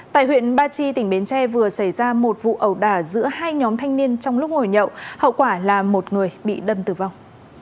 tại huyện ba chi tỉnh bến tre vừa xảy ra một vụ ẩu đả giữa hai nhóm thanh niên trong lúc ngồi nhậu hậu quả là một người bị đâm tử vong